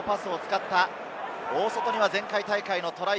大外には前回大会のトライ